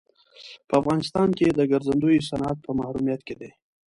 په افغانستان کې د ګرځندوی صنعت په محرومیت کې دی.